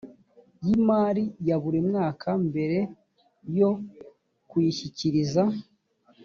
y imari ya buri mwaka mbere yo kuyishyikiriza